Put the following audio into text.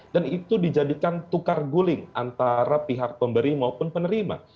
dan itu dijadikan tukar guling antara pihak pemberi maupun penerima